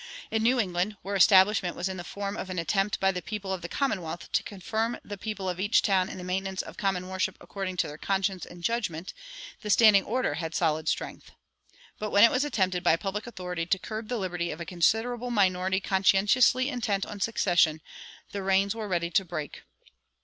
In New England, where establishment was in the form of an attempt by the people of the commonwealth to confirm the people of each town in the maintenance of common worship according to their conscience and judgment, the "standing order" had solid strength; but when it was attempted by public authority to curb the liberty of a considerable minority conscientiously intent on secession, the reins were ready to break.